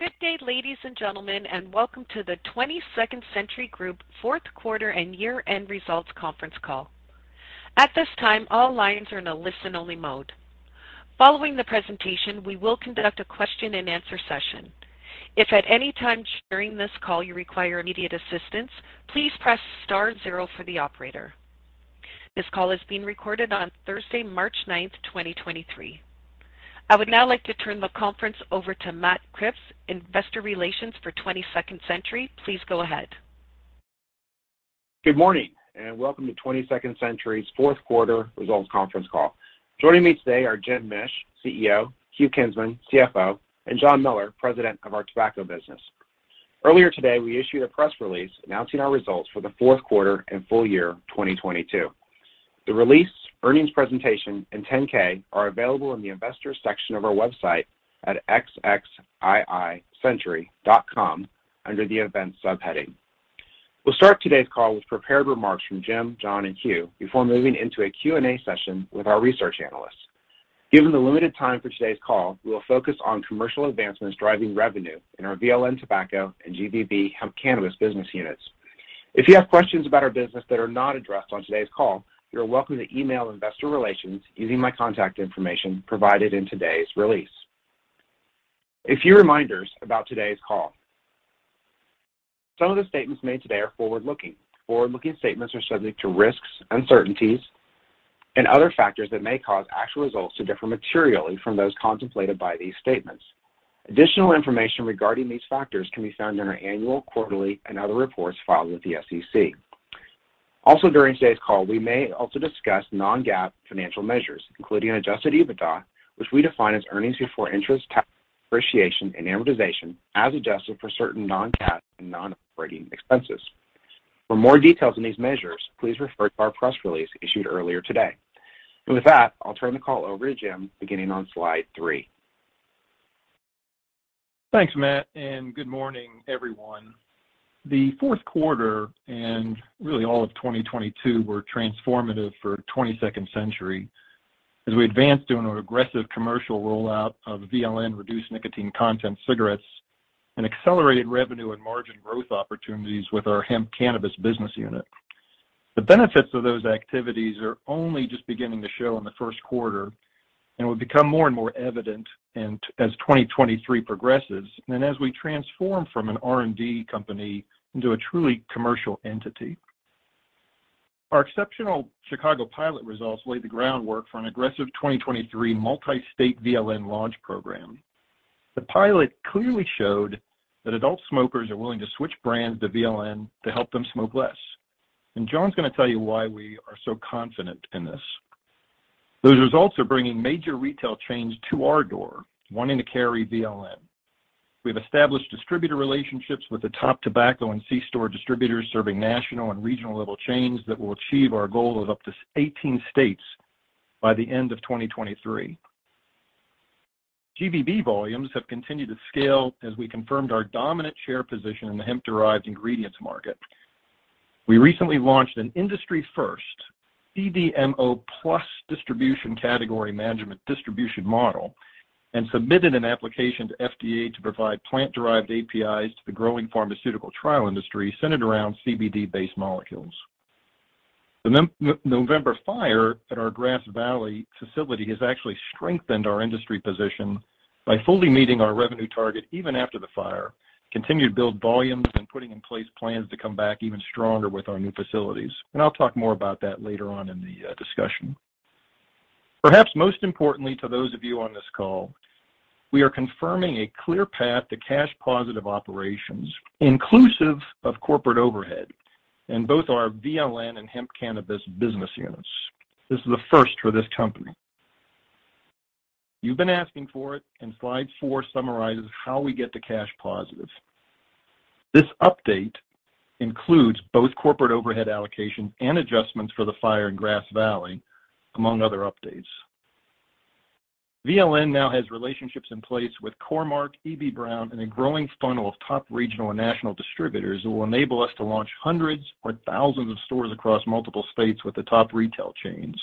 Good day, ladies and gentlemen, welcome to the 22nd Century Group fourth quarter and year-end results conference call. At this time, all lines are in a listen-only mode. Following the presentation, we will conduct a question-and-answer session. If at any time during this call you require immediate assistance, please press star zero for the operator. This call is being recorded on Thursday, March 9th, 2023. I would now like to turn the conference over to Matt Kreps, Investor Relations for 22nd Century. Please go ahead. Good morning, welcome to 22nd Century Group's fourth quarter results conference call. Joining me today are Jim Mish, CEO, Hugh Kinsman, CFO, and John Miller, President of our Tobacco Business. Earlier today, we issued a press release announcing our results for the fourth quarter and full year 2022. The release, earnings presentation, and 10-K are available in the investors section of our website at xxiicentury.com under the Events subheading. We'll start today's call with prepared remarks from Jim, John, and Hugh before moving into a Q&A session with our research analysts. Given the limited time for today's call, we will focus on commercial advancements driving revenue in our VLN tobacco and GVB hemp cannabis business units. If you have questions about our business that are not addressed on today's call, you are welcome to email investor relations using my contact information provided in today's release. A few reminders about today's call. Some of the statements made today are forward-looking. Forward-looking statements are subject to risks, uncertainties, and other factors that may cause actual results to differ materially from those contemplated by these statements. Additional information regarding these factors can be found in our annual, quarterly, and other reports filed with the SEC. Also during today's call, we may also discuss non-GAAP financial measures, including adjusted EBITDA, which we define as earnings before interest, tax, depreciation, and amortization, as adjusted for certain non-cash and non-operating expenses. For more details on these measures, please refer to our press release issued earlier today. With that, I'll turn the call over to Jim, beginning on slide three. Thanks, Matt. Good morning, everyone. The fourth quarter and really all of 2022 were transformative for 22nd Century as we advanced on an aggressive commercial rollout of VLN reduced nicotine content cigarettes and accelerated revenue and margin growth opportunities with our hemp cannabis business unit. The benefits of those activities are only just beginning to show in the first quarter and will become more and more evident and as 2023 progresses and as we transform from an R&D company into a truly commercial entity. Our exceptional Chicago pilot results laid the groundwork for an aggressive 2023 multi-state VLN launch program. The pilot clearly showed that adult smokers are willing to switch brands to VLN to help them smoke less. John's gonna tell you why we are so confident in this. Those results are bringing major retail chains to our door, wanting to carry VLN. We have established distributor relationships with the top tobacco and C-store distributors serving national and regional-level chains that will achieve our goal of up to 18 states by the end of 2023. GVB volumes have continued to scale as we confirmed our dominant share position in the hemp-derived ingredients market. We recently launched an industry first, CDMO plus distribution category management distribution model, and submitted an application to FDA to provide plant-derived APIs to the growing pharmaceutical trial industry centered around CBD-based molecules. The November fire at our Grass Valley facility has actually strengthened our industry position by fully meeting our revenue target even after the fire, continued to build volumes, and putting in place plans to come back even stronger with our new facilities. I'll talk more about that later on in the discussion. Perhaps most importantly to those of you on this call, we are confirming a clear path to cash positive operations, inclusive of corporate overhead in both our VLN and hemp cannabis business units. This is a first for this company. You've been asking for it, in slide four summarizes how we get to cash positive. This update includes both corporate overhead allocation and adjustments for the fire in Grass Valley, among other updates. VLN now has relationships in place with Core-Mark, Eby-Brown, and a growing funnel of top regional and national distributors that will enable us to launch hundreds or thousands of stores across multiple states with the top retail chains.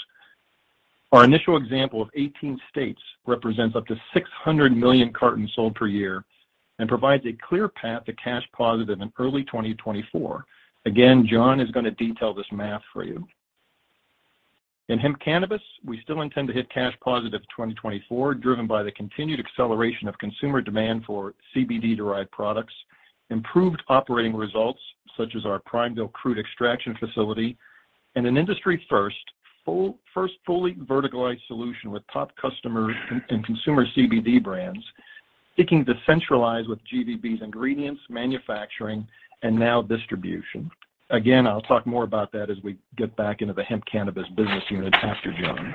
Our initial example of 18 states represents up to 600 million cartons sold per year and provides a clear path to cash positive in early 2024. Again, John is gonna detail this math for you. In hemp cannabis, we still intend to hit cash positive 2024, driven by the continued acceleration of consumer demand for CBD-derived products, improved operating results, such as our Prineville crude extraction facility, and an industry first fully verticalized solution with top customers and consumer CBD brands seeking to centralize with GVB's ingredients, manufacturing, and now distribution. I'll talk more about that as we get back into the hemp cannabis business unit after John.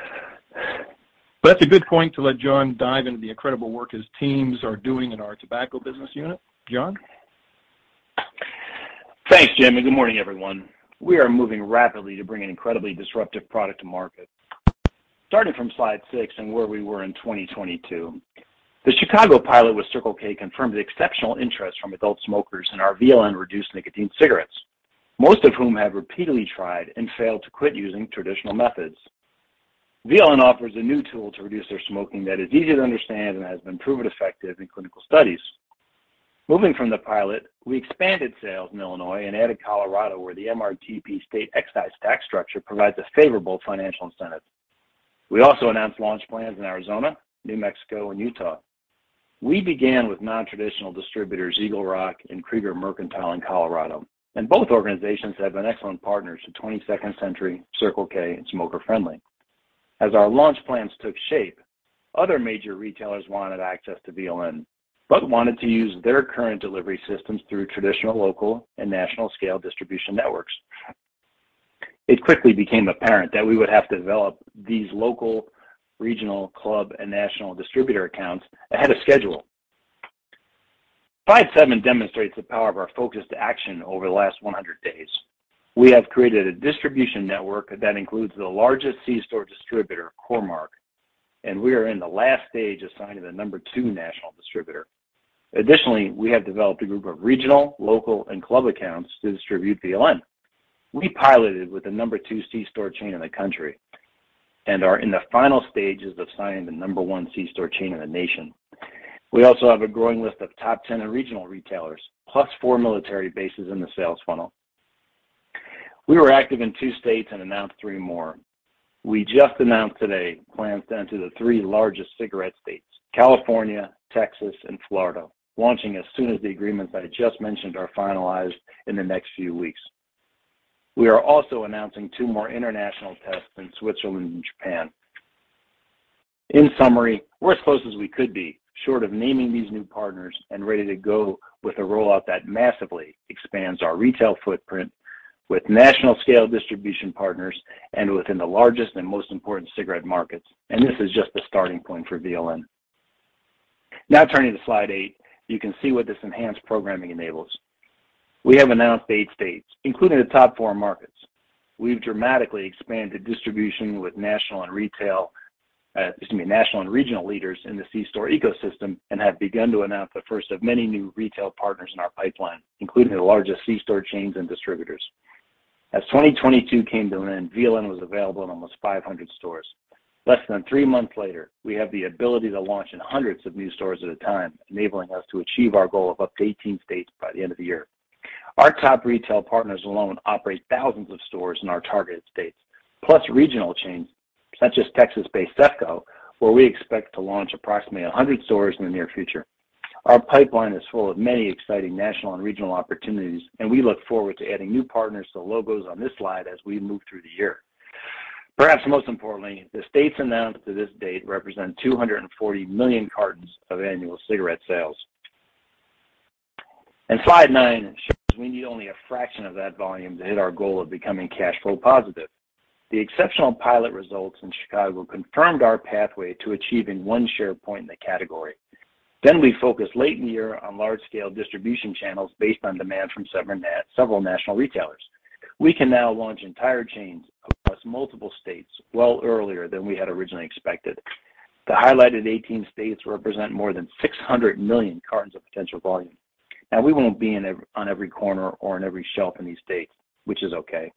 That's a good point to let John dive into the incredible work his teams are doing in our tobacco business unit. John? Thanks, Jim, and good morning, everyone. We are moving rapidly to bring an incredibly disruptive product to market. Starting from slide six and where we were in 2022, the Chicago pilot with Circle K confirmed exceptional interest from adult smokers in our VLN reduced nicotine cigarettes, most of whom have repeatedly tried and failed to quit using traditional methods. VLN offers a new tool to reduce their smoking that is easy to understand and has been proven effective in clinical studies. Moving from the pilot, we expanded sales in Illinois and added Colorado, where the MRTP state excise tax structure provides a favorable financial incentive. We also announced launch plans in Arizona, New Mexico and Utah. We began with non-traditional distributors, Eagle Rock and Creager Mercantile in Colorado, and both organizations have been excellent partners to 22nd Century, Circle K, and Smoker Friendly. As our launch plans took shape, other major retailers wanted access to VLN, but wanted to use their current delivery systems through traditional, local, and national scale distribution networks. It quickly became apparent that we would have to develop these local, regional, club, and national distributor accounts ahead of schedule. Slide seven demonstrates the power of our focused action over the last 100 days. We have created a distribution network that includes the largest c-store distributor, Core-Mark, and we are in the last stage of signing the number two national distributor. Additionally, we have developed a group of regional, local, and club accounts to distribute VLN. We piloted with the number two c-store chain in the country and are in the final stages of signing the number one c-store chain in the nation. We also have a growing list of top 10 regional retailers, plus four military bases in the sales funnel. We were active in two states and announced three more. We just announced today plans to enter the three largest cigarette states, California, Texas, and Florida, launching as soon as the agreements that I just mentioned are finalized in the next few weeks. We are also announcing two more international tests in Switzerland and Japan. In summary, we're as close as we could be, short of naming these new partners and ready to go with a rollout that massively expands our retail footprint with national scale distribution partners and within the largest and most important cigarette markets. This is just the starting point for VLN. Now turning to slide eight, you can see what this enhanced programming enables. We have announced eight states, including the top four markets. We've dramatically expanded distribution with national and retail, excuse me, national and regional leaders in the c-store ecosystem and have begun to announce the first of many new retail partners in our pipeline, including the largest c-store chains and distributors. As 2022 came to an end, VLN was available in almost 500 stores. Less than three months later, we have the ability to launch in hundreds of new stores at a time, enabling us to achieve our goal of up to 18 states by the end of the year. Our top retail partners alone operate thousands of stores in our targeted states, plus regional chains such as Texas-based CEFCO, where we expect to launch approximately 100 stores in the near future. Our pipeline is full of many exciting national and regional opportunities, and we look forward to adding new partners to logos on this slide as we move through the year. Perhaps most importantly, the states announced to this date represent 240 million cartons of annual cigarette sales. Slide nine shows we need only a fraction of that volume to hit our goal of becoming cash flow positive. The exceptional pilot results in Chicago confirmed our pathway to achieving one share point in the category. We focused late in the year on large scale distribution channels based on demand from several national retailers. We can now launch entire chains across multiple states well earlier than we had originally expected. The highlighted 18 states represent more than 600 million cartons of potential volume. We won't be on every corner or on every shelf in these states, which is okay.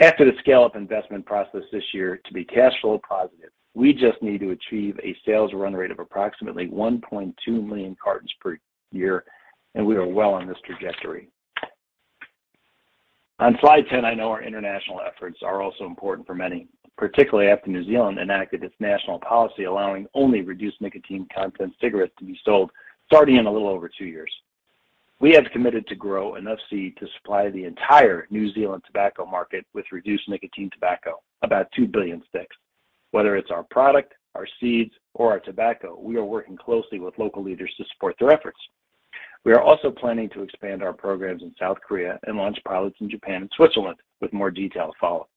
After the scale-up investment process this year to be cash flow positive, we just need to achieve a sales run rate of approximately 1.2 million cartons per year, and we are well on this trajectory. On slide 10, I know our international efforts are also important for many, particularly after New Zealand enacted its national policy allowing only reduced nicotine content cigarettes to be sold starting in a little over two years. We have committed to grow enough seed to supply the entire New Zealand tobacco market with reduced nicotine tobacco, about 2 billion sticks. Whether it's our product, our seeds, or our tobacco, we are working closely with local leaders to support their efforts. We are also planning to expand our programs in South Korea and launch pilots in Japan and Switzerland with more detail to follow.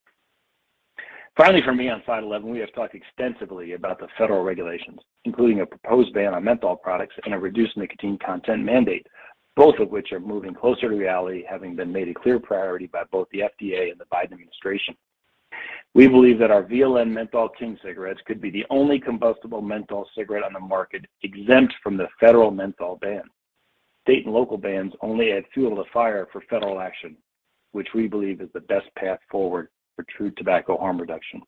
For me on slide 11, we have talked extensively about the federal regulations, including a proposed ban on menthol products and a reduced nicotine content mandate, both of which are moving closer to reality, having been made a clear priority by both the FDA and the Biden administration. We believe that our VLN Menthol King cigarettes could be the only combustible menthol cigarette on the market exempt from the federal menthol ban. State and local bans only add fuel to fire for federal action, which we believe is the best path forward for true tobacco harm reduction.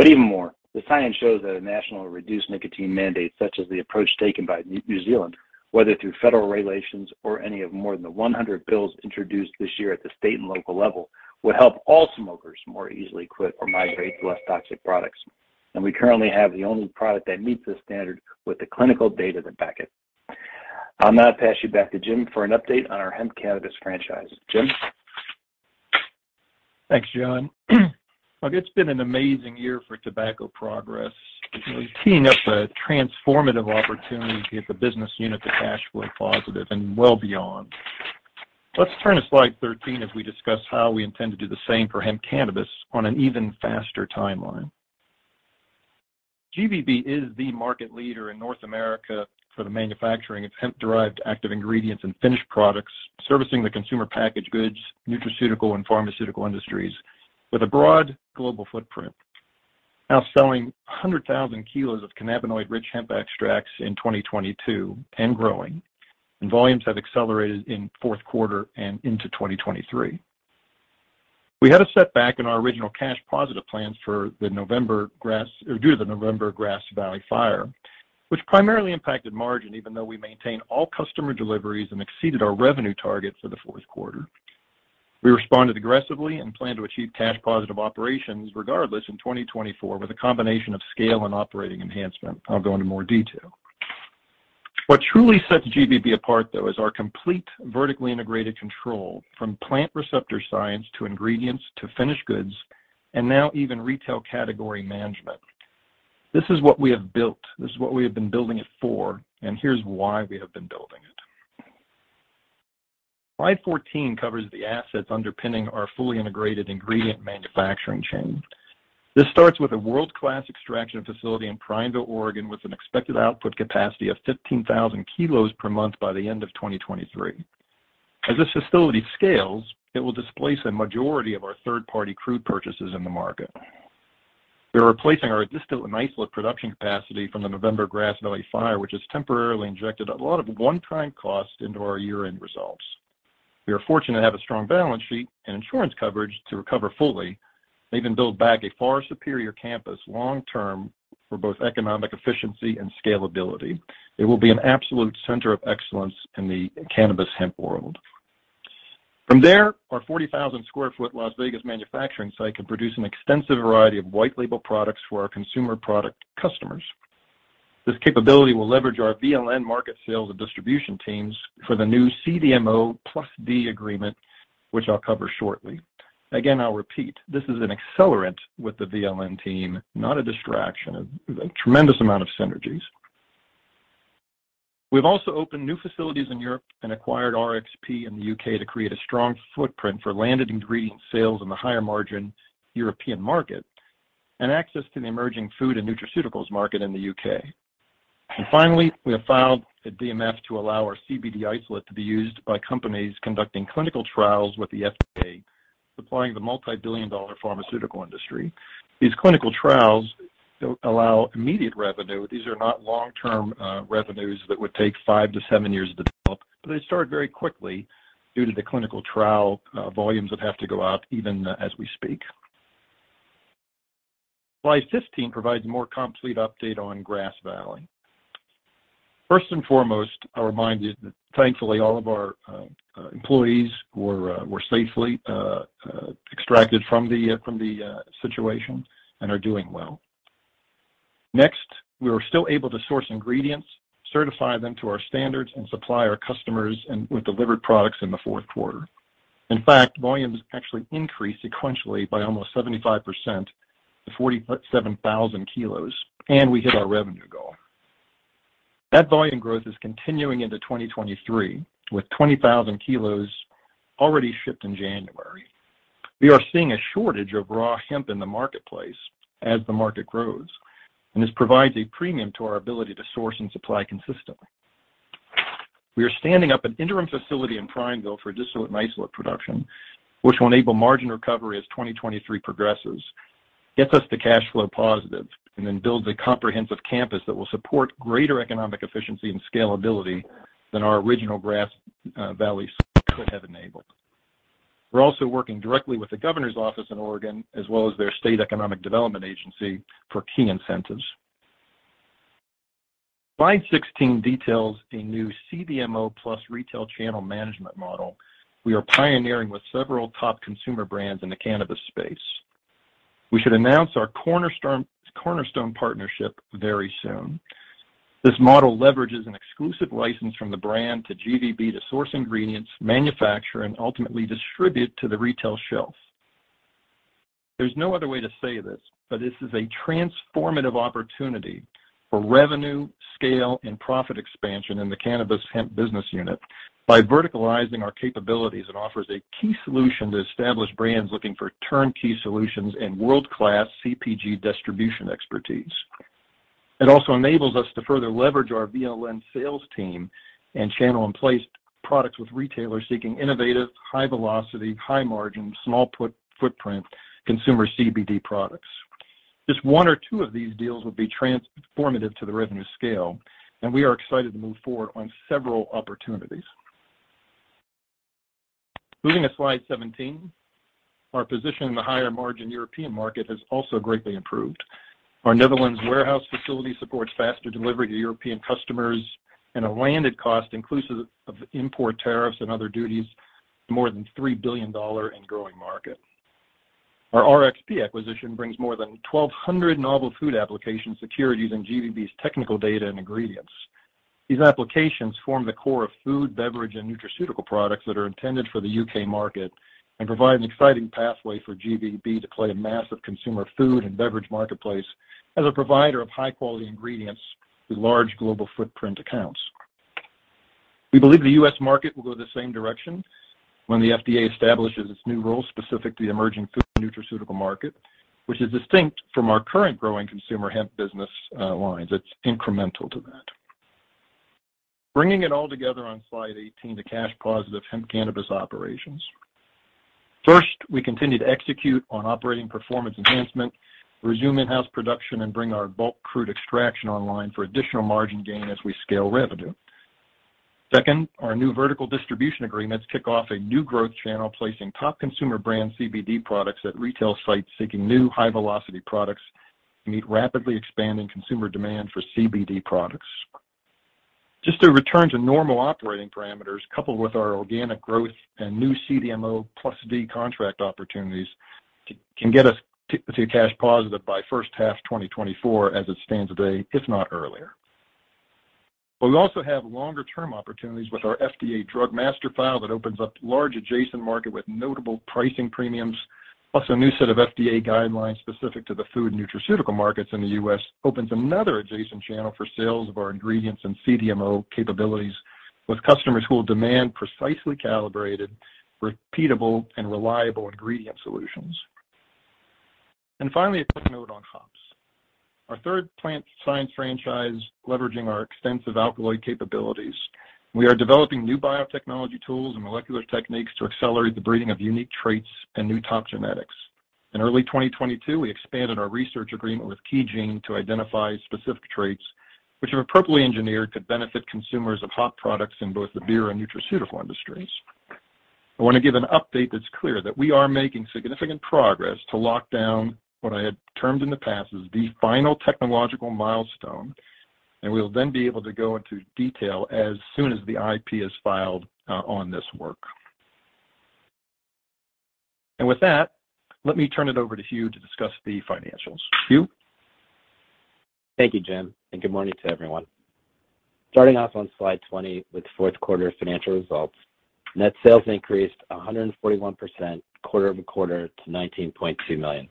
Even more, the science shows that a national reduced nicotine mandate, such as the approach taken by New Zealand, whether through federal regulations or any of more than the 100 bills introduced this year at the state and local level, would help all smokers more easily quit or migrate to less toxic products. We currently have the only product that meets this standard with the clinical data to back it. I'll now pass you back to Jim for an update on our hemp cannabis franchise. Jim? Thanks, John. Look, it's been an amazing year for tobacco progress. You know, teeing up a transformative opportunity to get the business unit to cash flow positive and well beyond. Let's turn to slide 13 as we discuss how we intend to do the same for hemp cannabis on an even faster timeline. GVB is the market leader in North America for the manufacturing of hemp-derived active ingredients and finished products, servicing the consumer packaged goods, nutraceutical, and pharmaceutical industries with a broad global footprint, now selling 100,000 kg of cannabinoid-rich hemp extracts in 2022 and growing. Volumes have accelerated in fourth quarter and into 2023. We had a setback in our original cash positive plans due to the November Grass Valley fire, which primarily impacted margin even though we maintained all customer deliveries and exceeded our revenue target for the fourth quarter. We responded aggressively and plan to achieve cash positive operations regardless in 2024 with a combination of scale and operating enhancement. I'll go into more detail. What truly sets GVB apart, though, is our complete vertically integrated control from plant receptor science to ingredients to finished goods, and now even retail category management. This is what we have built, this is what we have been building it for, and here's why we have been building it. Slide 14 covers the assets underpinning our fully integrated ingredient manufacturing chain. This starts with a world-class extraction facility in Prineville, Oregon, with an expected output capacity of 15,000 kg per month by the end of 2023. As this facility scales, it will displace a majority of our third-party crude purchases in the market. We're replacing our distillate and isolate production capacity from the November Grass Valley fire, which has temporarily injected a lot of one-time costs into our year-end results. We are fortunate to have a strong balance sheet and insurance coverage to recover fully and even build back a far superior campus long term for both economic efficiency and scalability. It will be an absolute center of excellence in the cannabis hemp world. From there, our 40,000 sq ft Las Vegas manufacturing site can produce an extensive variety of white label products for our consumer product customers. This capability will leverage our VLN market sales and distribution teams for the new CDMO+D agreement, which I'll cover shortly. Again, I'll repeat, this is an accelerant with the VLN team, not a distraction. A tremendous amount of synergies. We've also opened new facilities in Europe and acquired RXP in the U.K. to create a strong footprint for landed ingredient sales in the higher margin European market and access to the emerging food and nutraceuticals market in the U.K. Finally, we have filed a DMF to allow our CBD isolate to be used by companies conducting clinical trials with the FDA, supplying the multi-billion dollar pharmaceutical industry. These clinical trials allow immediate revenue. These are not long-term revenues that would take five to seven years to develop, but they start very quickly due to the clinical trial volumes that have to go out even as we speak. Slide 15 provides a more complete update on Grass Valley. First and foremost, a reminder that thankfully all of our employees were safely extracted from the situation and are doing well. Next, we were still able to source ingredients, certify them to our standards and supply our customers and with delivered products in the fourth quarter. In fact, volumes actually increased sequentially by almost 75% to 47,000 kg, and we hit our revenue goal. That volume growth is continuing into 2023, with 20,000 kg already shipped in January. We are seeing a shortage of raw hemp in the marketplace as the market grows. This provides a premium to our ability to source and supply consistently. We are standing up an interim facility in Prineville for distillate and isolate production, which will enable margin recovery as 2023 progresses, gets us to cash flow positive, and then builds a comprehensive campus that will support greater economic efficiency and scalability than our original Grass Valley site could have enabled. We're also working directly with the governor's office in Oregon, as well as their state economic development agency, for key incentives. Slide 16 details a new CDMO plus retail channel management model we are pioneering with several top consumer brands in the cannabis space. We should announce our cornerstone partnership very soon. This model leverages an exclusive license from the brand to GVB to source ingredients, manufacture, and ultimately distribute to the retail shelf. There's no other way to say this, but this is a transformative opportunity for revenue, scale, and profit expansion in the cannabis hemp business unit. By verticalizing our capabilities, it offers a key solution to established brands looking for turnkey solutions and world-class CPG distribution expertise. It also enables us to further leverage our VLN sales team and channel and place products with retailers seeking innovative, high velocity, high margin, small footprint consumer CBD products. Just one or two of these deals would be transformative to the revenue scale, and we are excited to move forward on several opportunities. Moving to slide 17, our position in the higher margin European market has also greatly improved. Our Netherlands warehouse facility supports faster delivery to European customers and a landed cost inclusive of import tariffs and other duties to more than $3 billion and growing market. Our RXP acquisition brings more than 1,200 novel food applications, securities, and GVB's technical data and ingredients. These applications form the core of food, beverage, and nutraceutical products that are intended for the U.K. market and provide an exciting pathway for GVB to play a massive consumer food and beverage marketplace as a provider of high-quality ingredients through large global footprint accounts. We believe the U.S. market will go the same direction when the FDA establishes its new role, specific to the emerging food nutraceutical market, which is distinct from our current growing consumer hemp business lines. It's incremental to that. Bringing it all together on slide 18, the cash positive hemp cannabis operations. First, we continue to execute on operating performance enhancement, resume in-house production, and bring our bulk crude extraction online for additional margin gain as we scale revenue. Second, our new vertical distribution agreements kick off a new growth channel, placing top consumer brand CBD products at retail sites seeking new high-velocity products to meet rapidly expanding consumer demand for CBD products. Just a return to normal operating parameters, coupled with our organic growth and new CDMO+D contract opportunities, can get us to cash positive by first half 2024 as it stands today, if not earlier. We also have longer-term opportunities with our FDA Drug Master File that opens up large adjacent market with notable pricing premiums, plus a new set of FDA guidelines specific to the food nutraceutical markets in the U.S., opens another adjacent channel for sales of our ingredients and CDMO capabilities with customers who will demand precisely calibrated, repeatable, and reliable ingredient solutions. Finally, a quick note on hops. Our third plant science franchise leveraging our extensive alkaloid capabilities. We are developing new biotechnology tools and molecular techniques to accelerate the breeding of unique traits and new top genetics. In early 2022, we expanded our research agreement with KeyGene to identify specific traits which, if appropriately engineered, could benefit consumers of hop products in both the beer and nutraceutical industries. I want to give an update that's clear that we are making significant progress to lock down what I had termed in the past as the final technological milestone, and we'll then be able to go into detail as soon as the IP is filed on this work. With that, let me turn it over to Hugh to discuss the financials. Hugh? Thank you, Jim, and good morning to everyone. Starting off on slide 20 with fourth-quarter financial results. Net sales increased 141% quarter-over-quarter to $19.2 million,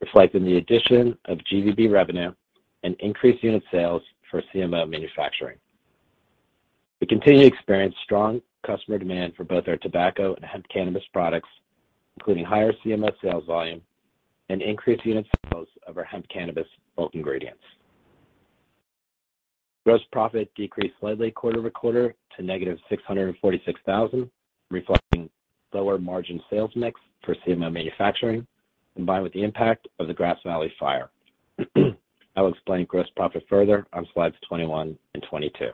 reflecting the addition of GVB revenue and increased unit sales for CMO manufacturing. We continue to experience strong customer demand for both our tobacco and hemp cannabis products, including higher CMO sales volume and increased unit sales of our hemp cannabis bulk ingredients. Gross profit decreased slightly quarter-over-quarter to -$646,000, reflecting lower margin sales mix for CMO manufacturing, combined with the impact of the Grass Valley fire. I'll explain gross profit further on slides 21 and 22.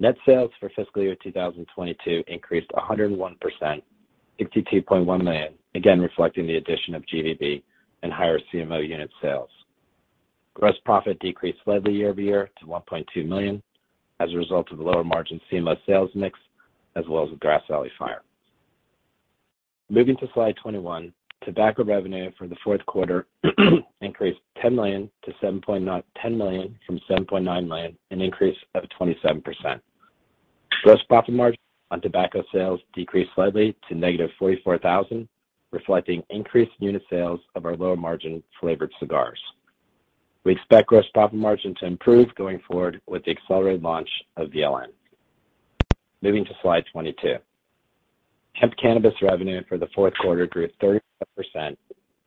Net sales for fiscal year 2022 increased 101%, $52.1 million, again reflecting the addition of GVB and higher CMO unit sales. Gross profit decreased slightly year over year to $1.2 million as a result of the lower margin CMO sales mix as well as the Grass Valley fire. Moving to slide 21, tobacco revenue for the fourth quarter increased $10 million from $7.9 million, an increase of 27%. Gross profit margin on tobacco sales decreased slightly to -$44,000, reflecting increased unit sales of our lower-margin flavored cigars. We expect gross profit margin to improve going forward with the accelerated launch of VLN. Moving to slide 22. Hemp cannabis revenue for the fourth quarter grew 37%,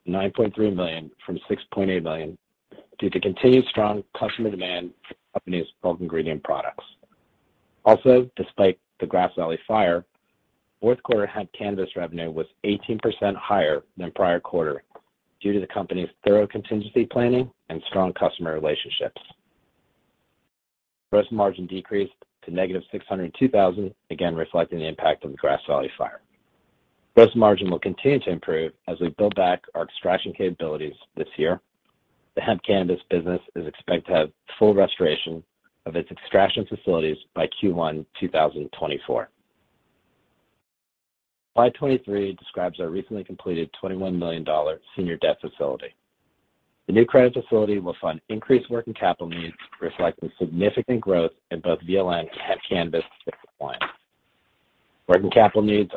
$9.3 million from $6.8 million, due to continued strong customer demand for the company's bulk ingredient products. Despite the Grass Valley fire, fourth quarter hemp cannabis revenue was 18% higher than prior quarter due to the company's thorough contingency planning and strong customer relationships. Gross margin decreased to -$602,000, again reflecting the impact of the Grass Valley fire. Gross margin will continue to improve as we build back our extraction capabilities this year. The hemp cannabis business is expected to have full restoration of its extraction facilities by Q1 2024. Slide 23 describes our recently completed $21 million senior debt facility. The new credit facility will fund increased working capital needs, reflecting significant growth in both VLN and hemp cannabis compliance. Working capital needs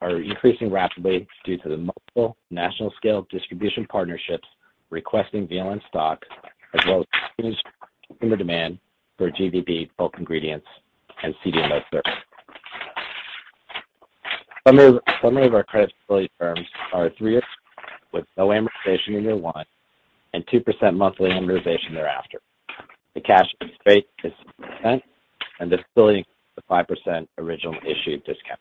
are increasing rapidly due to the multiple national-scale distribution partnerships requesting VLN stock, as well as consumer demand for GVB bulk ingredients and CDMO services. Some of our credit facility terms are three years with no amortization in year 1% and 2% monthly amortization thereafter. The cash interest rate is 6%, and this fully includes the 5% original issue discount.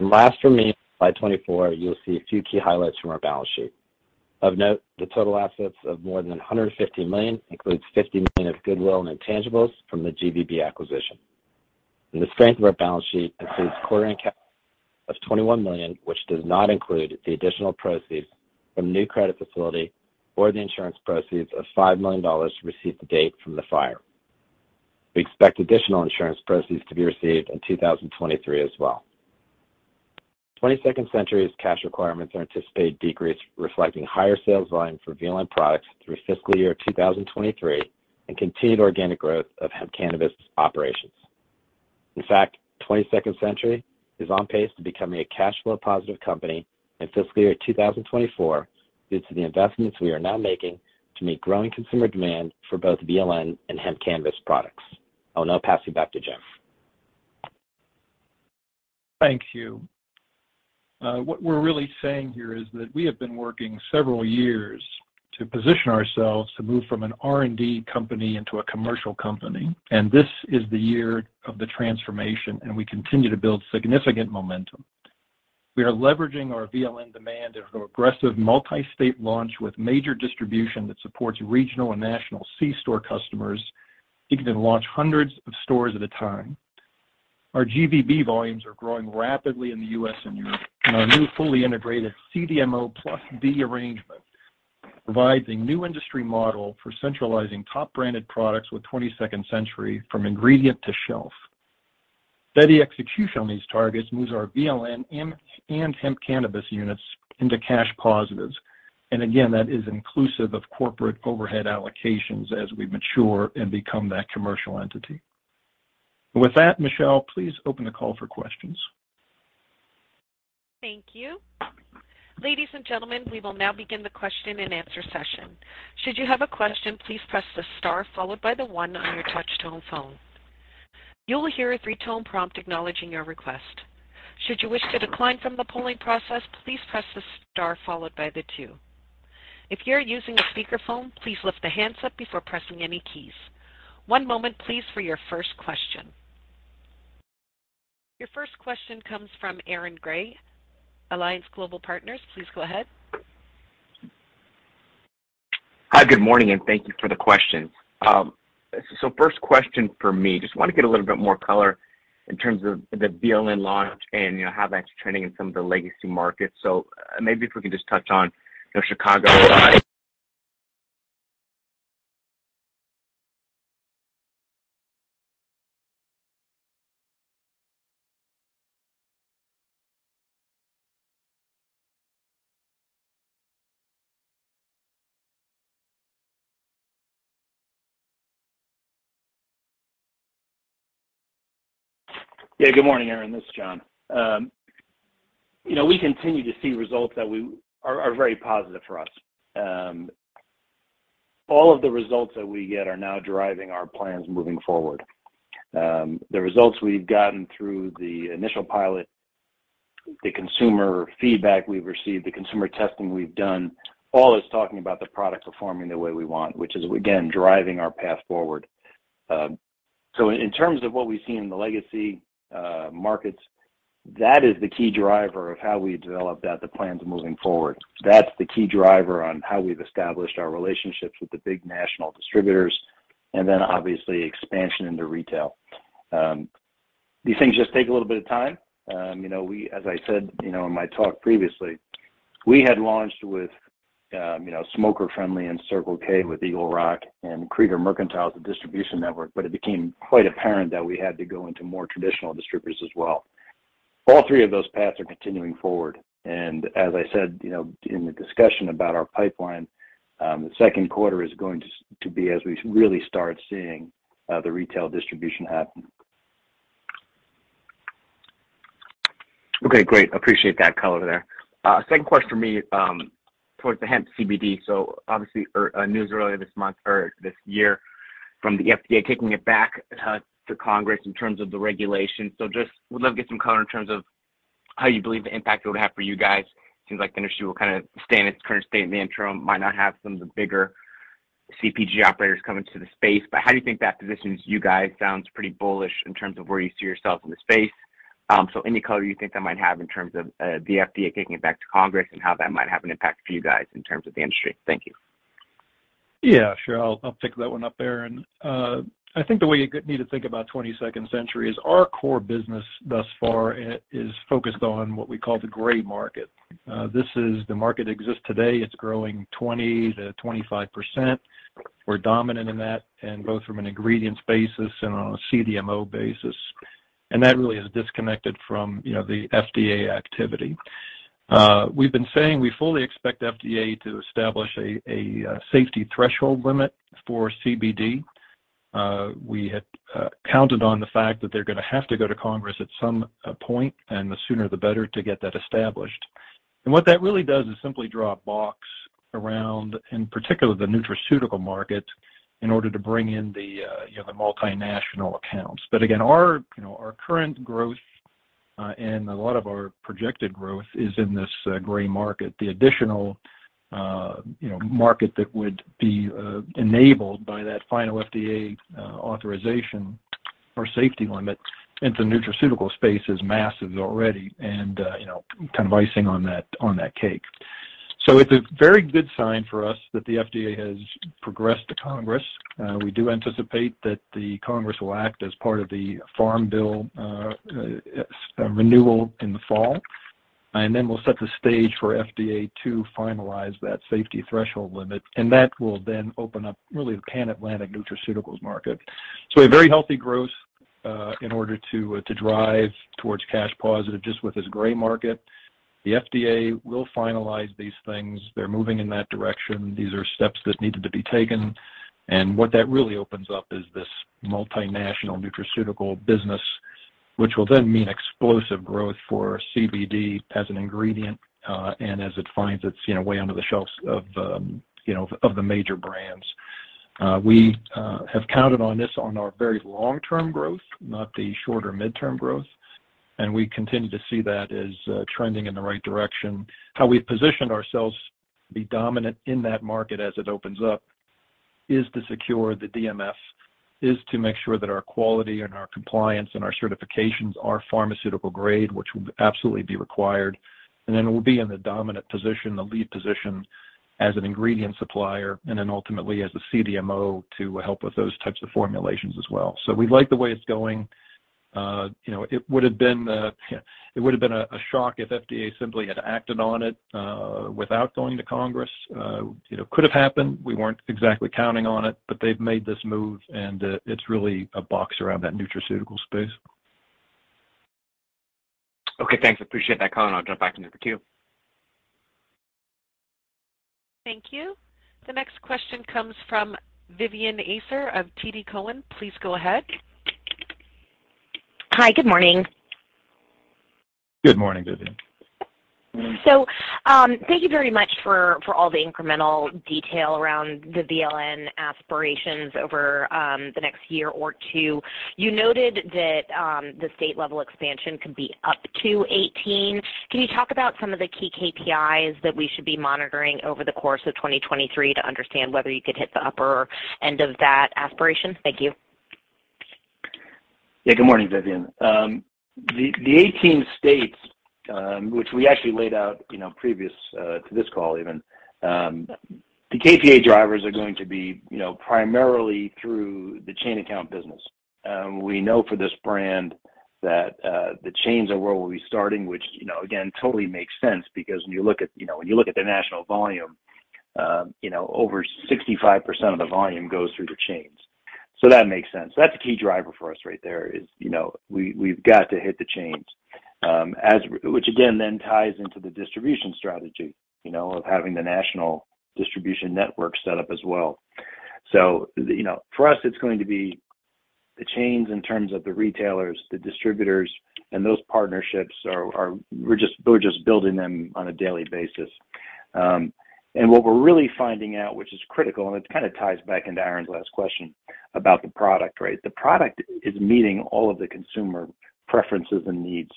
Last for me, slide 24, you'll see a few key highlights from our balance sheet. Of note, the total assets of more than $150 million includes $50 million of goodwill and intangibles from the GVB acquisition. The strength of our balance sheet includes quarter-end cap of $21 million, which does not include the additional proceeds from new credit facility or the insurance proceeds of $5 million received to date from the fire. We expect additional insurance proceeds to be received in 2023 as well. 22nd Century's cash requirements are anticipated decrease, reflecting higher sales volume for VLN products through fiscal year 2023 and continued organic growth of hemp cannabis operations. In fact, 22nd Century is on pace to becoming a cash flow positive company in fiscal year 2024 due to the investments we are now making to meet growing consumer demand for both VLN and hemp cannabis products. I'll now pass you back to Jim. Thank you. What we're really saying here is that we have been working several years to position ourselves to move from an R&D company into a commercial company. This is the year of the transformation, and we continue to build significant momentum. We are leveraging our VLN demand and aggressive multi-state launch with major distribution that supports regional and national c-store customers. You can then launch hundreds of stores at a time. Our GVB volumes are growing rapidly in the U.S. and Europe, and our new fully integrated CDMO+D arrangement provides a new industry model for centralizing top branded products with 22nd Century from ingredient to shelf. Steady execution on these targets moves our VLN and hemp cannabis units into cash positives. Again, that is inclusive of corporate overhead allocations as we mature and become that commercial entity. With that, Michelle, please open the call for questions. Thank you. Ladies and gentlemen, we will now begin the question and answer session. Should you have a question, please press the star followed by the one on your touch-tone phone. You will hear a three-tone prompt acknowledging your request. Should you wish to decline from the polling process, please press the star followed by the two. If you're using a speakerphone, please lift the handset before pressing any keys. One moment please for your first question. Your first question comes from Aaron Grey, Alliance Global Partners. Please go ahead. Hi, good morning, thank you for the questions. First question for me. Just want to get a little bit more color in terms of the VLN launch and, you know, how that's trending in some of the legacy markets. Maybe if we could just touch on, you know, Chicago. Yeah. Good morning, Aaron. This is John. You know, we continue to see results that are very positive for us. All of the results that we get are now driving our plans moving forward. The results we've gotten through the initial pilot, the consumer feedback we've received, the consumer testing we've done, all is talking about the product performing the way we want, which is again, driving our path forward. In terms of what we see in the legacy markets, that is the key driver of how we developed out the plans moving forward. That's the key driver on how we've established our relationships with the big national distributors and then obviously expansion into retail. These things just take a little bit of time. You know, we. As I said, you know, in my talk previously, we had launched with, you know, Smoker Friendly in Circle K with Eagle Rock and Creager Mercantile as a distribution network. It became quite apparent that we had to go into more traditional distributors as well. All three of those paths are continuing forward. As I said, you know, in the discussion about our pipeline, the second quarter is going to be as we really start seeing the retail distribution happen. Okay, great. Appreciate that color there. Second question for me, towards the hemp CBD. Obviously news earlier this month or this year from the FDA taking it back to Congress in terms of the regulation. Just would love to get some color in terms of how you believe the impact it would have for you guys. Seems like the industry will kinda stay in its current state in the interim, might not have some of the bigger CPG operators come into the space. How do you think that positions you guys? Sounds pretty bullish in terms of where you see yourself in the space. Any color you think that might have in terms of the FDA taking it back to Congress and how that might have an impact for you guys in terms of the industry? Thank you. Yeah, sure. I'll pick that one up, Aaron. I think the way you need to think about 22nd Century is our core business thus far is focused on what we call the gray market. This is the market exists today. It's growing 20%-25%. We're dominant in that and both from an ingredients basis and on a CDMO basis. That really is disconnected from, you know, the FDA activity. We've been saying we fully expect FDA to establish a safety threshold limit for CBD. We had counted on the fact that they're gonna have to go to Congress at some point, and the sooner the better to get that established. What that really does is simply draw a box around, in particular the nutraceutical market in order to bring in the, you know, the multinational accounts. Again, our, you know, our current growth, and a lot of our projected growth is in this, gray market. The additional, you know, market that would be enabled by that final FDA, authorization or safety limit into nutraceutical space is massive already and, you know, kind of icing on that cake. It's a very good sign for us that the FDA has progressed to Congress. We do anticipate that the Congress will act as part of the farm bill, renewal in the fall. Then we'll set the stage for FDA to finalize that safety threshold limit, and that will then open up really the Pan Atlantic nutraceuticals market. A very healthy growth, in order to drive towards cash positive just with this gray market. The FDA will finalize these things. They're moving in that direction. These are steps that needed to be taken, and what that really opens up is this multinational nutraceutical business, which will then mean explosive growth for CBD as an ingredient, and as it finds its, you know, way onto the shelves of, you know, of the major brands. We have counted on this on our very long-term growth, not the shorter mid-term growth, and we continue to see that as trending in the right direction. How we've positioned ourselves to be dominant in that market as it opens up is to secure the DMF, is to make sure that our quality and our compliance and our certifications are pharmaceutical grade, which would absolutely be required. Then we'll be in the dominant position, the lead position as an ingredient supplier, and then ultimately as a CDMO to help with those types of formulations as well. We like the way it's going. You know, it would have been, it would have been a shock if FDA simply had acted on it without going to Congress. It could have happened. We weren't exactly counting on it. They've made this move, and it's really a box around that nutraceutical space. Okay, thanks. I appreciate that color. I'll jump back in the queue. Thank you. The next question comes from Vivien Azer of TD Cowen. Please go ahead. Hi. Good morning. Good morning, Vivien. Thank you very much for all the incremental detail around the VLN aspirations over the next year or two. You noted that the state-level expansion could be up to 18. Can you talk about some of the key KPIs that we should be monitoring over the course of 2023 to understand whether you could hit the upper end of that aspiration? Thank you. Good morning, Vivien. The 18 states, which we actually laid out, you know, previous to this call even, the KPI drivers are going to be, you know, primarily through the chain account business. We know for this brand that the chains are where we'll be starting, which, you know, again, totally makes sense because when you look at, you know, when you look at the national volume, you know, over 65% of the volume goes through the chains. That makes sense. That's a key driver for us right there is, you know, we've got to hit the chains, Which again then ties into the distribution strategy, you know, of having the national distribution network set up as well. You know, for us, it's going to be the chains in terms of the retailers, the distributors, and those partnerships We're just building them on a daily basis. What we're really finding out, which is critical, and it kind of ties back into Aaron's last question about the product, right? The product is meeting all of the consumer preferences and needs.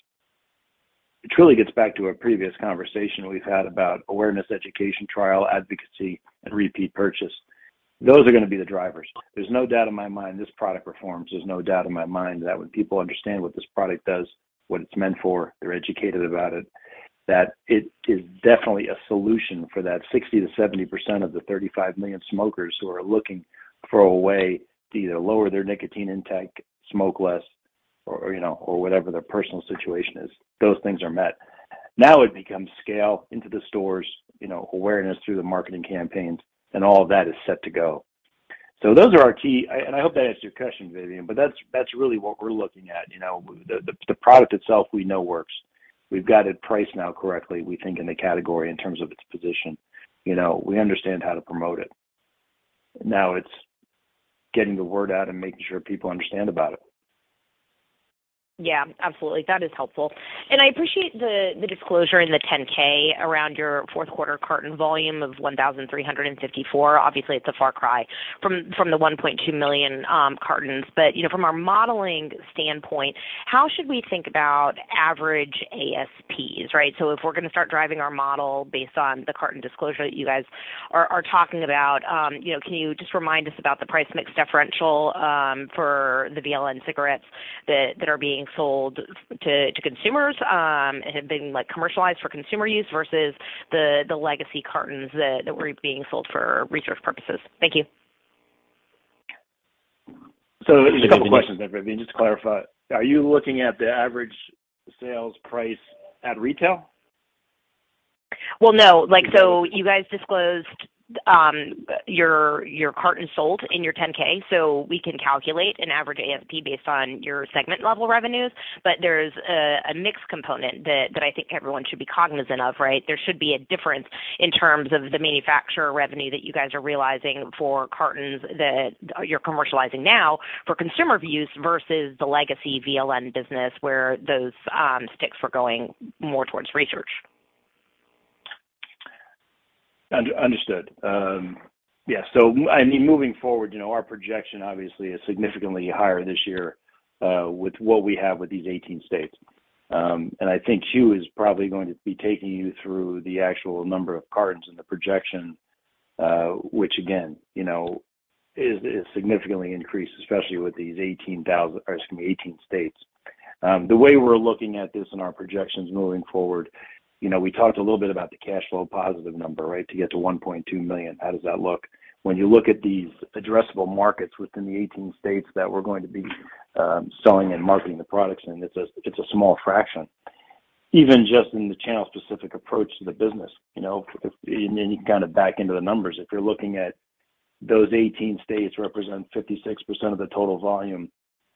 It truly gets back to a previous conversation we've had about awareness, education, trial, advocacy, and repeat purchase. Those are gonna be the drivers. There's no doubt in my mind this product performs. There's no doubt in my mind that when people understand what this product does, what it's meant for, they're educated about it, that it is definitely a solution for that 60%-70% of the 35 million smokers who are looking for a way to either lower their nicotine intake, smoke less or, you know, or whatever their personal situation is, those things are met. Now it becomes scale into the stores, you know, awareness through the marketing campaigns, and all of that is set to go. Those are our key. I hope that answers your question, Vivien, but that's really what we're looking at, you know. The product itself we know works. We've got it priced now correctly, we think, in the category in terms of its position. You know, we understand how to promote it. Now it's getting the word out and making sure people understand about it. Yeah, absolutely. That is helpful. I appreciate the disclosure in the 10-K around your fourth quarter carton volume of 1,354. Obviously, it's a far cry from the 1.2 million cartons. You know, from our modeling standpoint, how should we think about average ASPs? Right. If we're gonna start driving our model based on the carton disclosure that you guys are talking about, you know, can you just remind us about the price mix differential for the VLN cigarettes that are being sold to consumers and have been, like, commercialized for consumer use versus the legacy cartons that were being sold for research purposes? Thank you. A couple questions there, Vivien, just to clarify. Are you looking at the average sales price at retail? No. Like, so you guys disclosed, your cartons sold in your 10-K, so we can calculate an average AMP based on your segment-level revenues. There's a mix component that I think everyone should be cognizant of, right? There should be a difference in terms of the manufacturer revenue that you guys are realizing for cartons that you're commercializing now for consumer views versus the legacy VLN business where those, sticks were going more towards research. Understood. Yeah. I mean, moving forward, you know, our projection obviously is significantly higher this year, with what we have with these 18 states. I think Hugh is probably going to be taking you through the actual number of cartons in the projection, which again, you know, is significantly increased, especially with these 18 states. The way we're looking at this in our projections moving forward, you know, we talked a little bit about the cash flow positive number, right? To get to $1.2 million, how does that look? When you look at these addressable markets within the 18 states that we're going to be, selling and marketing the products in, it's a small fraction. Even just in the channel specific approach to the business, you know, if. Then you kind of back into the numbers. If you're looking at those 18 states represent 56% of the total volume,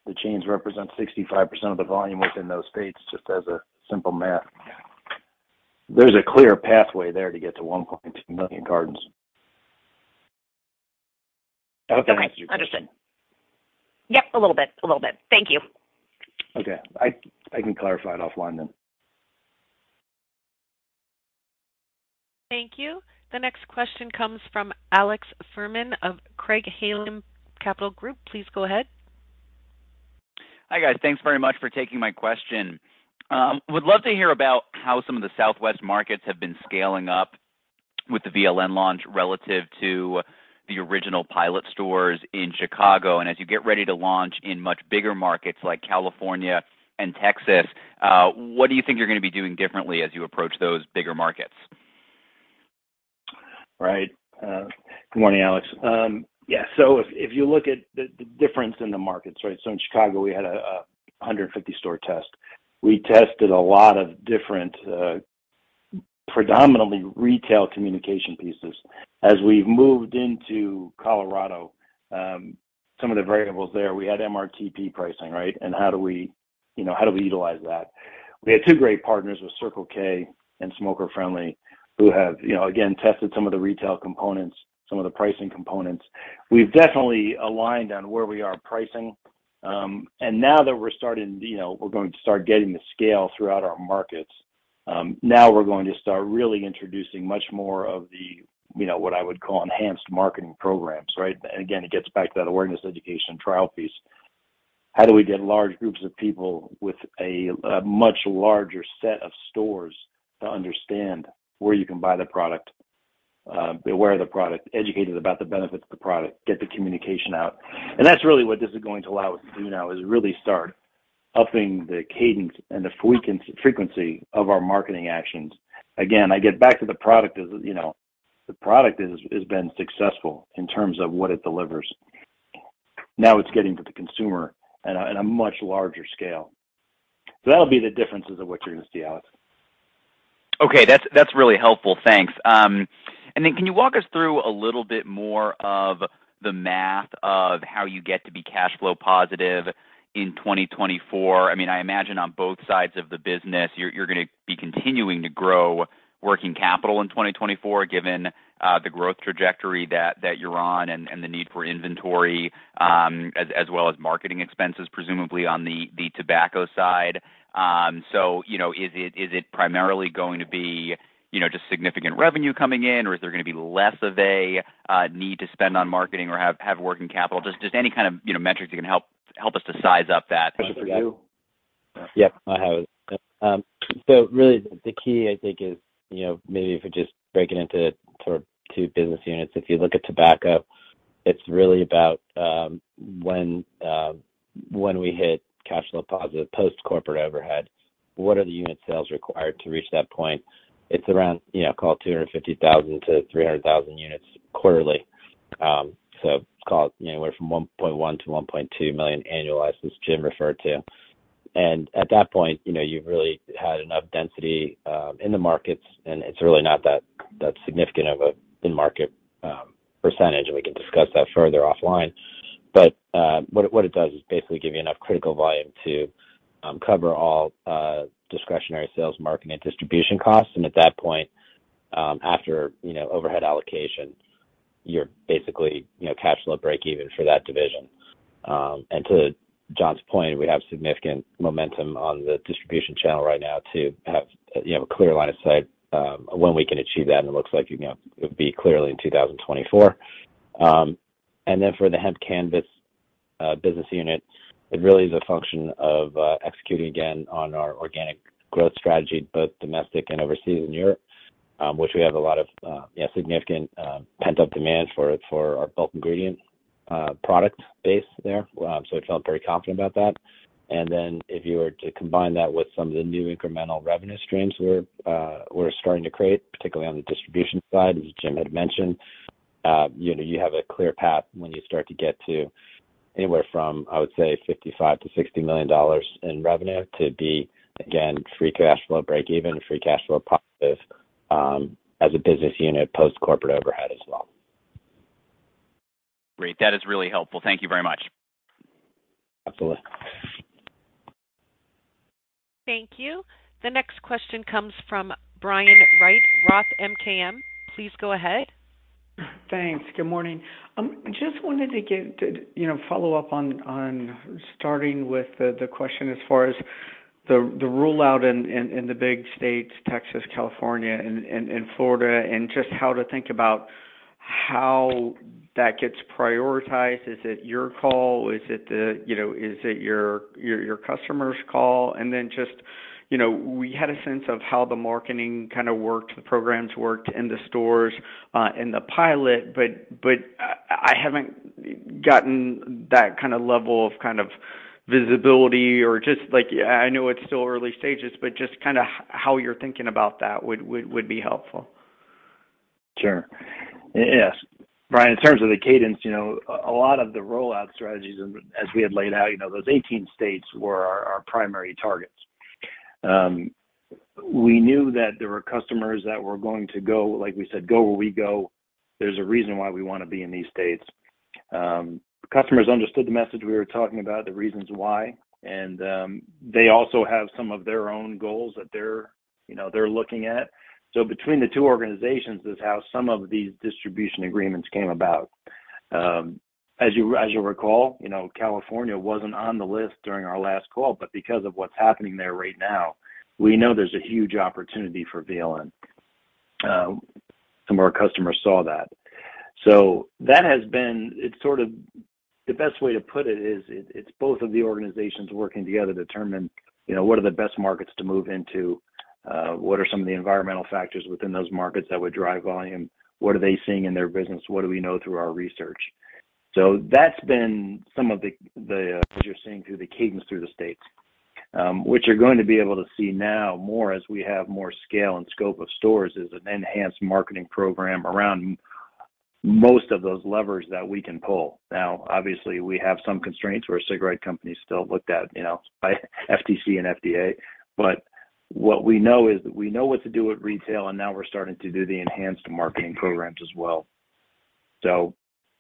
the chains represent 65% of the volume within those states, just as a simple math. There's a clear pathway there to get to 1.2 million cartons. I hope that answers your question. Understood. Yep, a little bit. A little bit. Thank you. Okay. I can clarify it offline then. Thank you. The next question comes from Alex Fuhrman of Craig-Hallum Capital Group. Please go ahead. Hi, guys. Thanks very much for taking my question. Would love to hear about how some of the Southwest markets have been scaling up with the VLN launch relative to the original pilot stores in Chicago. As you get ready to launch in much bigger markets like California and Texas, what do you think you're gonna be doing differently as you approach those bigger markets? Right. Good morning, Alex. If you look at the difference in the markets, right? In Chicago, we had a 150 store test. We tested a lot of different, predominantly retail communication pieces. As we've moved into Colorado, some of the variables there, we had MRTP pricing, right? How do we, you know, how do we utilize that? We had two great partners with Circle K and Smoker Friendly who have, you know, again, tested some of the retail components, some of the pricing components. We've definitely aligned on where we are pricing. Now that we're going to start getting the scale throughout our markets, now we're going to start really introducing much more of the, you know, what I would call enhanced marketing programs, right? It gets back to that awareness, education, trial piece. How do we get large groups of people with a much larger set of stores to understand where you can buy the product, be aware of the product, educated about the benefits of the product, get the communication out? That's really what this is going to allow us to do now, is really start upping the cadence and the frequency of our marketing actions. Again, I get back to the product is, you know, the product has been successful in terms of what it delivers. Now it's getting to the consumer at a much larger scale. That'll be the differences of what you're gonna see, Alex. Okay, that's really helpful. Thanks. Can you walk us through a little bit more of the math of how you get to be cash flow positive in 2024? I mean, I imagine on both sides of the business, you're gonna be continuing to grow working capital in 2024, given the growth trajectory that you're on and the need for inventory, as well as marketing expenses, presumably on the tobacco side. You know, is it primarily going to be, you know, just significant revenue coming in? Or is there gonna be less of a need to spend on marketing or have working capital? Just any kind of, you know, metrics that can help us to size up that for you. Yeah. I have it. Really the key, I think, is, you know, maybe if we just break it into sort of two business units. If you look at tobacco, it's really about, when we hit cash flow positive post corporate overhead, what are the unit sales required to reach that point? It's around, you know, call 250,000-300,000 units quarterly. So call, you know, anywhere from 1.1-1.2 million annualized, as Jim referred to. At that point, you know, you've really had enough density in the markets, and it's really not that significant of a in-market percentage, and we can discuss that further offline. What it, what it does is basically give you enough critical volume to cover all discretionary sales, marketing, and distribution costs. At that point, after, you know, overhead allocation, you're basically, you know, cash flow breakeven for that division. To John's point, we have significant momentum on the distribution channel right now to have, you know, a clear line of sight, when we can achieve that, and it looks like, you know, it would be clearly in 2024. For the hemp cannabis business unit, it really is a function of executing again on our organic growth strategy, both domestic and overseas in Europe, which we have a lot of, yeah, significant, pent-up demand for our bulk ingredient product base there. I felt very confident about that. If you were to combine that with some of the new incremental revenue streams we're starting to create, particularly on the distribution side, as Jim had mentioned, you know, you have a clear path when you start to get to anywhere from, I would say, $55 million-$60 million in revenue to be, again, free cash flow breakeven, free cash flow positive, as a business unit post corporate overhead as well. Great. That is really helpful. Thank you very much. Absolutely. Thank you. The next question comes from Brian Wright, Roth MKM. Please go ahead. Thanks. Good morning. just wanted to get, you know, follow up on starting with the question as far as the rollout in the big states, Texas, California, and Florida, and just how to think about how that gets prioritized. Is it your call? Is it, you know, your customer's call? Then just, you know, we had a sense of how the marketing kind of worked, the programs worked in the stores, in the pilot, but I haven't gotten that kind of level of kind of visibility or just like. I know it's still early stages, but just kinda how you're thinking about that would be helpful. Sure. Yes. Brian, in terms of the cadence, you know, a lot of the rollout strategies and as we had laid out, you know, those 18 states were our primary targets. We knew that there were customers that were going to go, like we said, go where we go. There's a reason why we wanna be in these states. Customers understood the message we were talking about, the reasons why, and they also have some of their own goals that they're, you know, they're looking at. Between the two organizations is how some of these distribution agreements came about. As you recall, you know, California wasn't on the list during our last call, because of what's happening there right now, we know there's a huge opportunity for VLN. Some of our customers saw that. It's sort of the best way to put it is it's both of the organizations working together to determine, you know, what are the best markets to move into, what are some of the environmental factors within those markets that would drive volume? What are they seeing in their business? What do we know through our research? That's been some of the, what you're seeing through the cadence through the states. What you're going to be able to see now more as we have more scale and scope of stores, is an enhanced marketing program around most of those levers that we can pull. Obviously, we have some constraints where cigarette companies still looked at, you know, by FTC and FDA. What we know is we know what to do at retail, and now we're starting to do the enhanced marketing programs as well.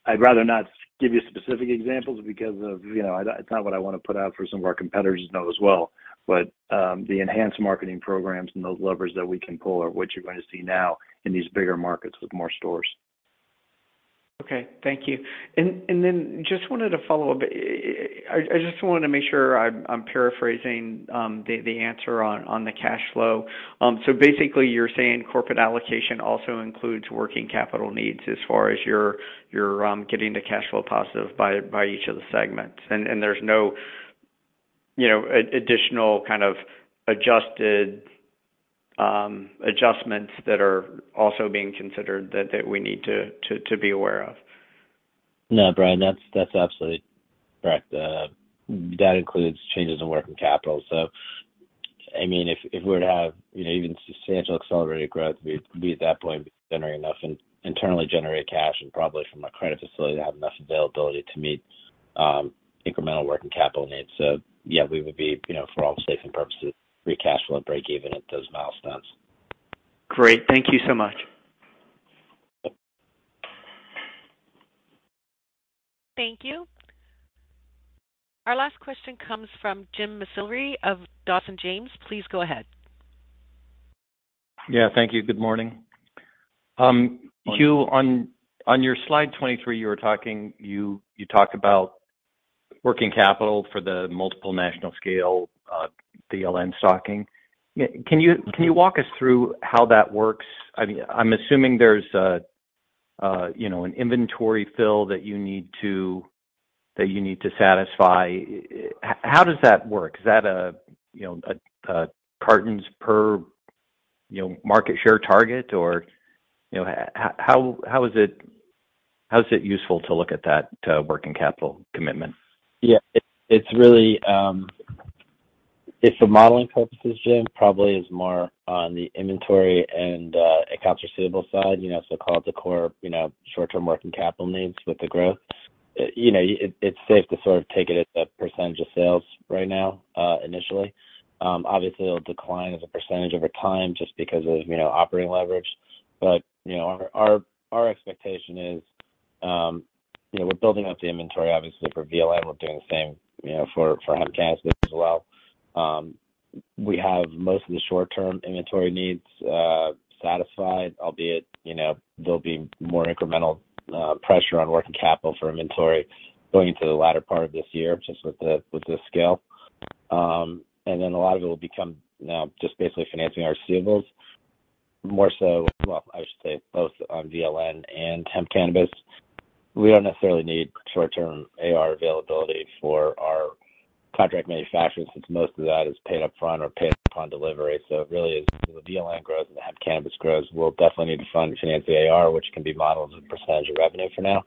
I'd rather not give you specific examples because of, you know, it's not what I want to put out for some of our competitors to know as well. The enhanced marketing programs and those levers that we can pull are what you're going to see now in these bigger markets with more stores. Okay. Thank you. Then just wanted to follow up. I just wanted to make sure I'm paraphrasing the answer on the cash flow. So basically, you're saying corporate allocation also includes working capital needs as far as you're getting to cash flow positive by each of the segments. There's no, you know, additional kind of adjusted adjustments that are also being considered that we need to be aware of? No, Brian, that's absolutely correct. That includes changes in working capital. I mean, if we were to have, you know, even substantial accelerated growth, we'd be at that point, be generating enough in internally generate cash and probably from a credit facility to have enough availability to meet incremental working capital needs. Yeah, we would be, you know, for all safe and purposes, free cash flow breakeven at those milestones. Great. Thank you so much. Thank you. Our last question comes from Jim McIlree of Dawson James. Please go ahead. Yeah, thank you. Good morning. Hugh, on your slide 23, you talked about working capital for the multiple national scale VLN stocking. Can you walk us through how that works? I mean, I'm assuming there's a, you know, an inventory fill that you need to satisfy. How does that work? Is that a, you know, cartons per, you know, market share target or, you know, how is it useful to look at that working capital commitment? Yeah, it's really, it's for modeling purposes, Jim, probably is more on the inventory and accounts receivable side, you know, so call it the core, you know, short-term working capital needs with the growth. You know, it's safe to sort of take it as a percentage of sales right now, initially. Obviously, it'll decline as a percentage over time just because of, you know, operating leverage. Our expectation is, you know, we're building out the inventory obviously for VLN. We're doing the same, you know, for hemp cannabis as well. We have most of the short-term inventory needs satisfied, albeit, you know, there'll be more incremental pressure on working capital for inventory going into the latter part of this year, just with the scale. A lot of it will become now just basically financing our receivables, I should say both on VLN and hemp cannabis. We don't necessarily need short-term AR availability for our contract manufacturers since most of that is paid upfront or paid upon delivery. It really is, as VLN grows and the hemp cannabis grows, we'll definitely need to fund finance the AR, which can be modeled as a percentage of revenue for now.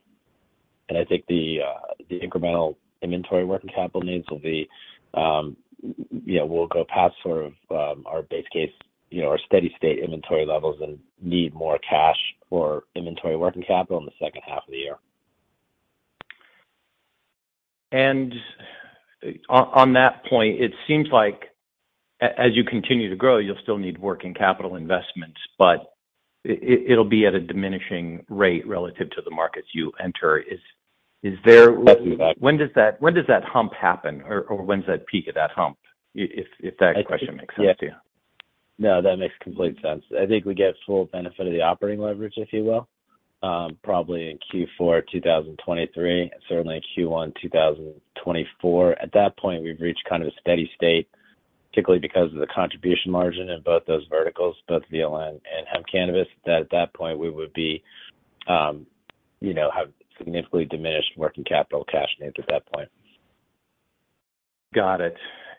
I think the incremental inventory working capital needs will be, you know, we'll go past sort of our base case, you know, our steady-state inventory levels and need more cash for inventory working capital in the second half of the year. On that point, it seems like as you continue to grow, you'll still need working capital investments, but it'll be at a diminishing rate relative to the markets you enter. Is there. That's exactly. When does that hump happen or when's that peak of that hump, if that question makes sense to you? No, that makes complete sense. I think we get full benefit of the operating leverage, if you will, probably in Q4 2023, certainly in Q1 2024. At that point, we've reached kind of a steady state, particularly because of the contribution margin in both those verticals, both VLN and hemp cannabis. At that point, we would be, you know, have significantly diminished working capital cash needs at that point. Got it.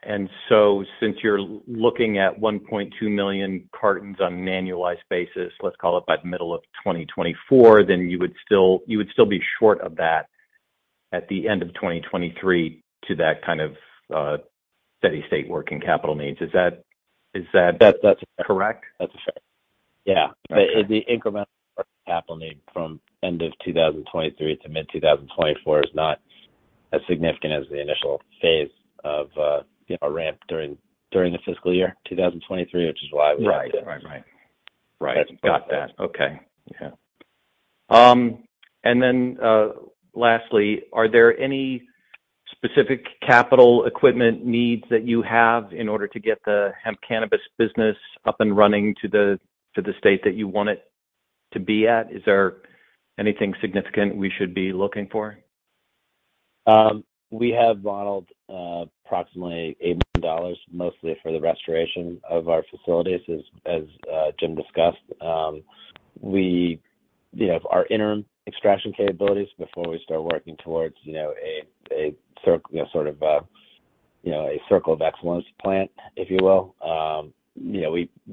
Since you're looking at 1.2 million cartons on an annualized basis, let's call it by the middle of 2024, you would still be short of that at the end of 2023 to that kind of, steady-state working capital needs. Is that? That's. Correct? That's fair. Yeah. Okay. The incremental capital need from end of 2023 to mid 2024 is not as significant as the initial phase of, you know, ramp during the fiscal year 2023, which is why we have to- Right. Right. Right. Got that. Okay. Yeah. Lastly, are there any specific capital equipment needs that you have in order to get the hemp cannabis business up and running to the state that you want it to be at. Is there anything significant we should be looking for? We have modeled approximately $8 million, mostly for the restoration of our facilities, as Jim discussed. Our interim extraction capabilities before we start working towards a sort of a circle of excellence plant, if you will.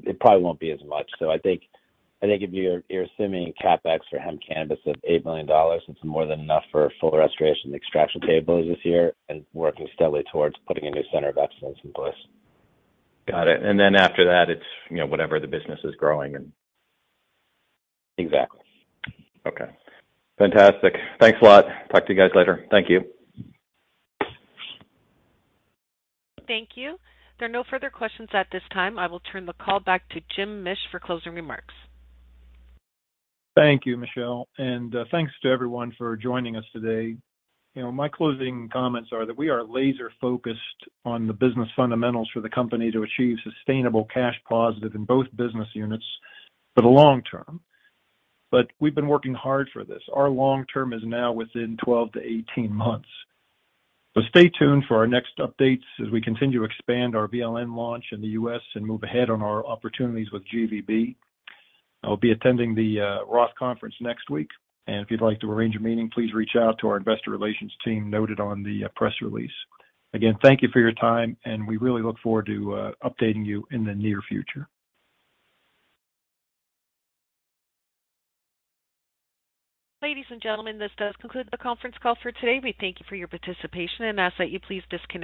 It probably won't be as much. I think if you're assuming CapEx for hemp cannabis at $8 million, it's more than enough for a full restoration of the extraction capabilities this year and working steadily towards putting a new center of excellence in place. Got it. After that, it's, you know, whatever the business is growing and. Exactly. Okay. Fantastic. Thanks a lot. Talk to you guys later. Thank you. Thank you. There are no further questions at this time. I will turn the call back to Jim Mish for closing remarks. Thank you, Michelle, and thanks to everyone for joining us today. You know, my closing comments are that we are laser-focused on the business fundamentals for the company to achieve sustainable cash positive in both business units for the long term. We've been working hard for this. Our long term is now within 12-18 months. Stay tuned for our next updates as we continue to expand our VLN launch in the U.S. and move ahead on our opportunities with GVB. I'll be attending the Roth Conference next week. If you'd like to arrange a meeting, please reach out to our investor relations team noted on the press release. Again, thank you for your time, and we really look forward to updating you in the near future. Ladies and gentlemen, this does conclude the conference call for today. We thank you for your participation and ask that you please disconnect your-